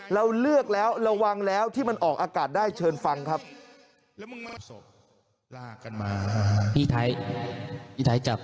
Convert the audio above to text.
เราเลือกแล้วระวังแล้วที่มันออกอากาศได้เชิญฟังครับ